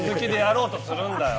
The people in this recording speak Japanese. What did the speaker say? なんで続きでやろうとするんだよ！